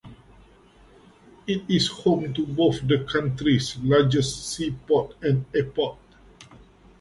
It is home to both the country's largest seaport and airport.